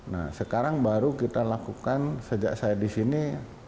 nah sekarang baru kita lakukan sejak saya di sini